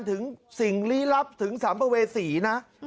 ถึงสิ่งลี้ลับถึงสัมวณภัยศีรนะ